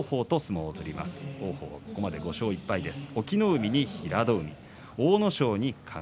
王鵬、ここまで５勝１敗です。